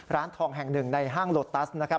ร้านทองแห่งหนึ่งในห้างโลตัสนะครับ